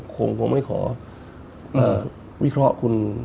คงไม่ขอวิเคราะห์คุณ